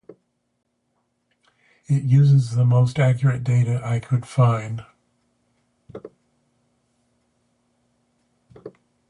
It uses the most accuate data I could find